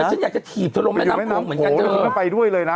แล้วฉันอยากจะถีบเถอะลงไปน้ำโค้งเหมือนกันเถอะโหไปด้วยเลยนะ